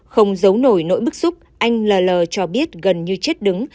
không giấu nổi nỗi bức xúc anh n l cho biết gần như chết đứng